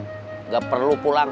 tidak perlu pulang